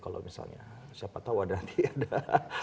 kalau misalnya siapa tahu ada nanti ada